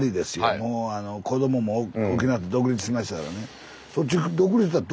もう子どもも大きなって独立しましたからね。